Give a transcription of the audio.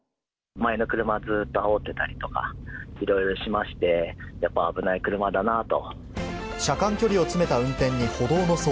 前の車ずっとあおってたりとか、いろいろしまして、やっぱ危ない車だなと。